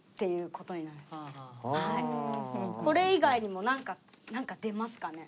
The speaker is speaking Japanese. これ以外にもなんかなんか出ますかね？